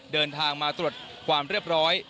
เดินทางมาตรวจความเรียบร้อย